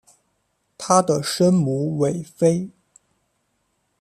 她的生母韦妃。